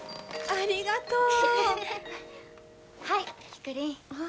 ありがとう。